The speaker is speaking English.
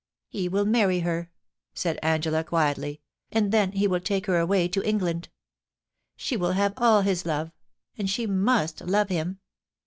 * He will marry her,' said Angela, quietly, * and then he will take her away to England. She will have all his love — and she must love him.